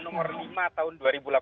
nomor lima tahun dua ribu delapan belas